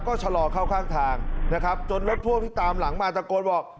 ก็ชะลอเข้าข้างทางนะครับจนรถพ่วงที่ตามหลังมาตะโกนบอก